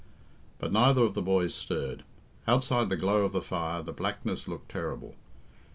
But neither of the boys stirred. Outside the glow of the fire the blackness looked terrible.